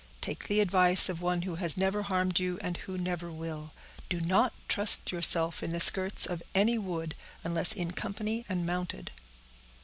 Take the advice of one who has never harmed you, and who never will. Do not trust yourself in the skirts of any wood, unless in company and mounted."